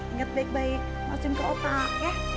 ingat baik baik masukin ke otak ya